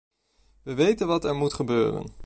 We weten wat er moet gebeuren.